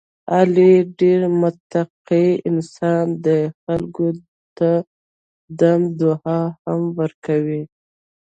علي ډېر متقی انسان دی، خلکو ته دم دعا هم کوي.